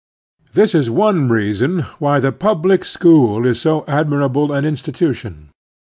This is one reason why the public school is so admirable an institution.